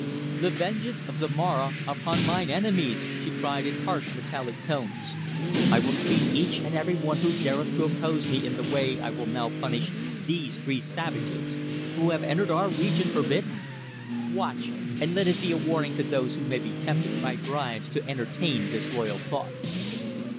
"The vengeance of Zomara upon mine enemies," she cried in harsh, metallic tones. "I will treat each and every one who dareth to oppose me in the way I will now punish these three savages who have entered our region forbidden. Watch, and let it be a warning to those who may be tempted by bribes to entertain disloyal thoughts."